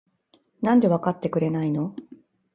なんでわかってくれないの？？